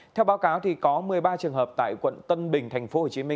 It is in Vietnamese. theo báo cáo có một mươi ba trường hợp tại quận tân bình tp hcm